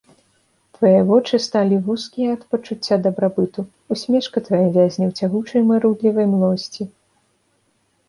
Твае вочы сталі вузкія ад пачуцця дабрабыту, усмешка твая вязне ў цягучай марудлівай млосці.